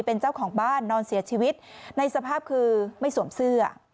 เป็นเจ้าของบ้านนอนเสียชีวิตในสภาพคือไม่สวมเสื้อ